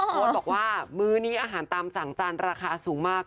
โพสต์บอกว่ามื้อนี้อาหารตามสั่งจานราคาสูงมาก